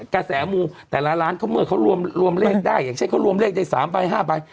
กระแสมูแต่ละร้านเขาเมื่อเขารวมเลขได้อย่างเช่นเขารวมเลขได้๓ใบ๕ใบ